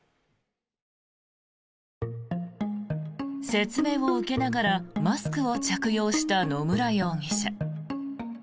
説明を受けながらマスクを着用した野村容疑者。